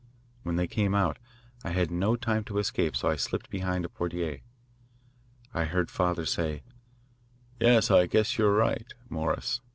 When they came out, I had no time to escape, so I slipped behind a portiere. I heard father say: 'Yes, I guess you are right, Morris.